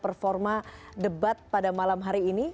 performa debat pada malam hari ini